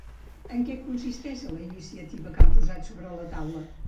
En què consisteix la iniciativa que han posat sobre la taula?